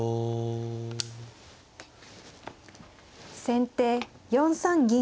先手４三銀。